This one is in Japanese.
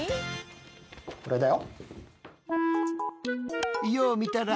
これだよ。